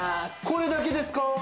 これだけですか？